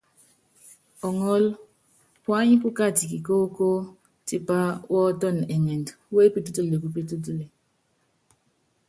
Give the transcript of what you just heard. Ɔŋɔ́l, puany pu katɛ kikóókó, tipa wɔɔ́tɔn ɛŋɛnd wepítútule kupítútule.